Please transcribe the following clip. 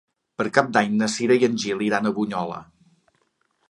Per Cap d'Any na Cira i en Gil iran a Bunyola.